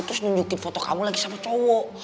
terus nunjukin foto kamu lagi sama cowok